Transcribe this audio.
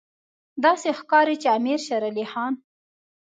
داسې ښکاري چې امیر شېر علي خان.